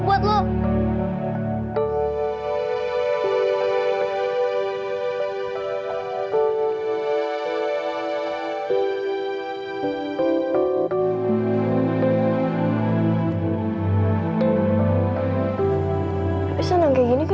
saya masih masih